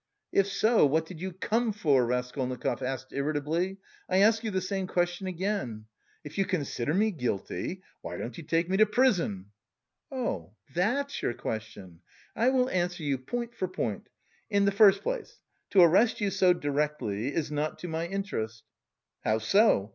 "If so, what did you come for?" Raskolnikov asked irritably. "I ask you the same question again: if you consider me guilty, why don't you take me to prison?" "Oh, that's your question! I will answer you, point for point. In the first place, to arrest you so directly is not to my interest." "How so?